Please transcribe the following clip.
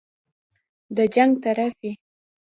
د جنګ طرف وي.